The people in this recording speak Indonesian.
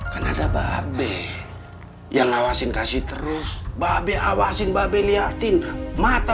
karena ada babe yang ngawasin kasih terus babe awasin babe liatin mata